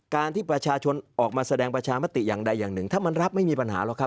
การที่ประชาชนออกมาแสดงประชามติอย่างใดอย่างหนึ่งถ้ามันรับไม่มีปัญหาหรอกครับ